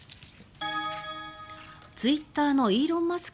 ツイッターのイーロン・マスク